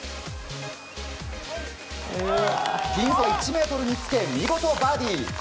ピンそば１ｍにつけ見事、バーディー。